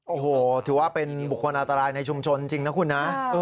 โอ้โหถือว่าเป็นบุคคลอันตรายในชุมชนจริงนะคุณนะ